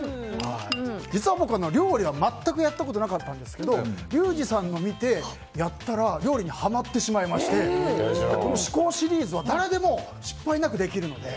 実は、料理は全くやったことがなかったんですけどリュウジさんのを見てやったら料理にハマってしまいまして至高シリーズは誰でも失敗なくできるので。